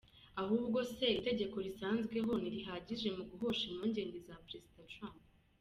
Ahubwo se itegeko risanzweho ntirihagije mu guhosha impungenge za Perezida Trump?”.